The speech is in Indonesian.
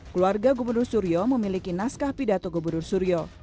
keluarga gubernur suryo memiliki naskah pidato gubernur suryo